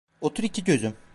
Otur iki gözüm.